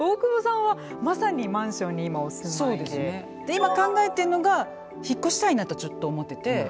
今考えてんのが引っ越したいなとちょっと思ってて。